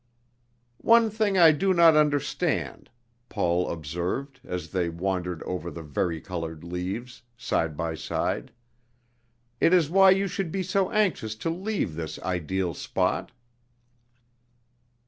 "One thing I do not understand," Paul observed, as they wandered over the vari colored leaves, side by side; "it is why you should be so anxious to leave this ideal spot."